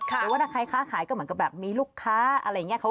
หรือว่าถ้าใครค้าขายก็เหมือนกับแบบมีลูกค้าอะไรอย่างนี้